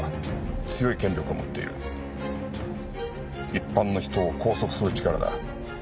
一般の人を拘束する力だ。